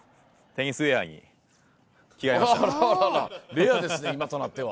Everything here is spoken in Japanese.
レアですね今となっては。